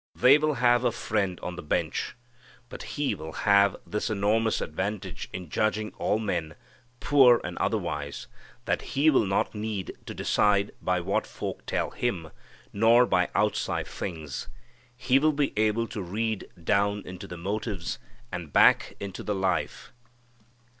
They will have a friend on the bench. But He will have this enormous advantage in judging all men, poor and otherwise, that He will not need to decide by what folk tell Him, nor by outside things. He will be able to read down into the motives and back into the life.